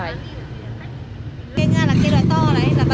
cây nga là cây đòi to đấy là ba năm kg đấy